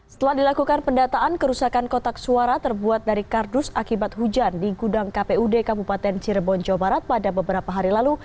setelah dilakukan pendataan kerusakan kotak suara terbuat dari kardus akibat hujan di gudang kpud kabupaten cirebon jawa barat pada beberapa hari lalu